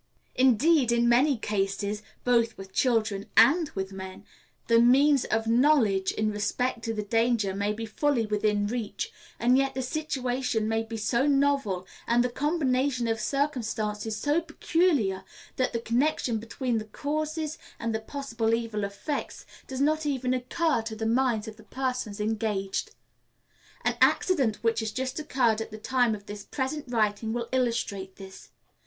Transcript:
Indeed, in many cases, both with children and with men, the means of knowledge in respect to the danger may be fully within reach, and yet the situation may be so novel, and the combination of circumstances so peculiar, that the connection between the causes and the possible evil effects does not occur to the minds of the persons engaged. An accident which has just occurred at the time of this present writing will illustrate this.